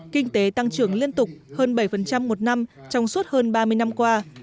kinh tế tăng trưởng liên tục hơn bảy một năm trong suốt hơn ba mươi năm qua